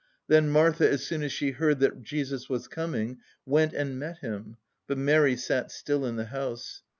"Then Martha as soon as she heard that Jesus was coming went and met Him: but Mary sat still in the house.